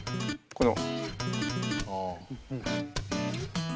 この。